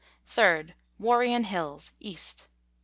3rd. Warrion Hills, East.